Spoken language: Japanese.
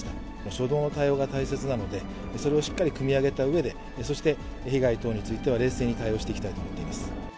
初動の対応が大切なので、それをしっかりくみ上げたうえで、そして被害等については、冷静に対応していきたいと思っています。